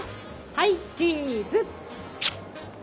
はいチーズ。